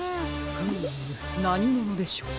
フームなにものでしょう。